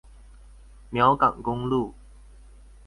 苗港公路